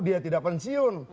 dia tidak pensiun